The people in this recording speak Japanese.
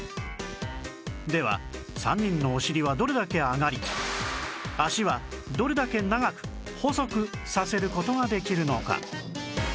では３人のお尻はどれだけ上がり脚はどれだけ長く細くさせる事ができるのか？